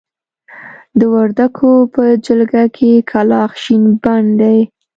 د وردکو په جلګه کې کلاخ شين بڼ دی.